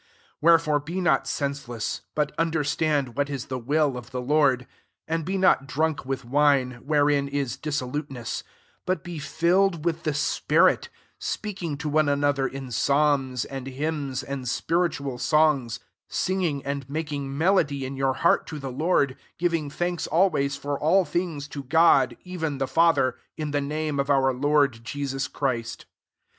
17 Wherefore be not senseless, but understand what ia the will of the Lord. 18 And be not drunk with wine, wherein is dksoluteness ; but be filled with the spirit ; 19 speaking to one another in psalms, and hymns, and spiritual songs; singing and 'making melody in your heart to the Lord; 20 giving thanks always for all things to God even the Father, in the nfusie of our Lord Jesus Christ.